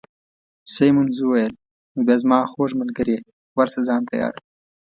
سیمونز وویل: نو بیا زما خوږ ملګرې، ورشه ځان تیار کړه.